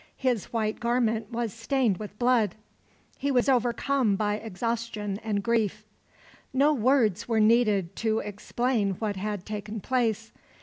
His white garment was stained with blood. He was overcome by exhaustion and grief. No words were needed to explain what had taken place.